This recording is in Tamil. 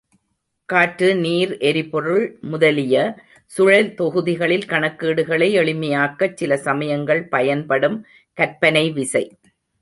காற்று, நீர், எரிபொருள்கள் முதலிய சுழல்தொகுதிகளில் கணக்கீடுகளை எளிமையாக்கச் சில சமயங்கள் பயன்படும் கற்பனை விசை.